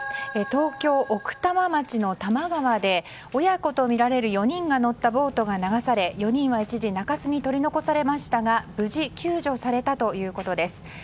東京・奥多摩町の多摩川で親子とみられる４人が乗ったボートが流され４人は一時中州に取り残されましたが無事、救助されたということです。